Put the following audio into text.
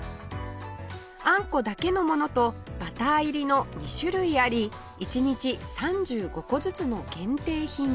あんこだけのものとバター入りの２種類あり１日３５個ずつの限定品です